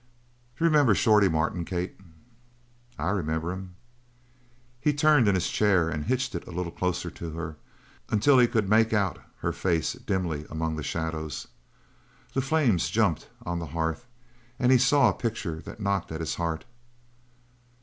"D'you remember Shorty Martin, Kate?" "I remember him." He turned in his chair and hitched it a little closer to her until he could make put her face, dimly, among the shadows. The flames jumped on the hearth, and he saw a picture that knocked at his heart.